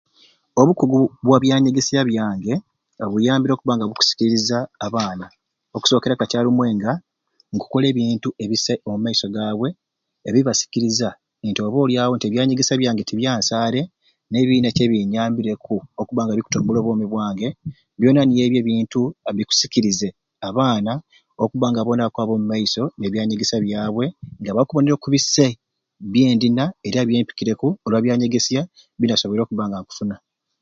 Obukugu bwa byanyegesya byange buyambire okuba nga bukusikiriza abaana okusokera kakyarumwei nga nkukola ebintu ebisai omu maiso gaabwe bibasikiriza nti oba olyawo ebyanyegesya byange tibyansare naye biyina kyebinyambireku okuba nga bikutumbula obwomi bwange byona nibyo ebyo ebintu ebisikiriza abaana okuba nga bona bakwaba omu maiso nebyanyegesya byabwe nga bakubonera oku bisai byenina era bye mpikireku olwa byanyegesya binasoboire okuba nga nkufuna